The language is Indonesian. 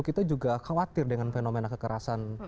kita juga khawatir dengan fenomena kekerasan